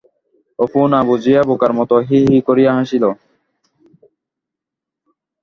অপু না বুঝিয়া বোকার মতো হি হি করিয়া হাসিল।